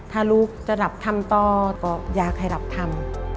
ถ้าลูกจะรับธรรมต่อก็อยากให้รับธรรม